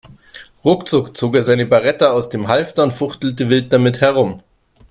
Ruckzuck zog er seine Beretta aus dem Halfter und fuchtelte wild damit herum.